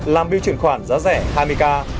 làm bill chuyển khoản giá rẻ hai mươi k